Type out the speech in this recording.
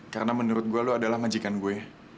karena menurut gue lo adalah majikan gue